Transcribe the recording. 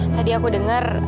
tadi aku denger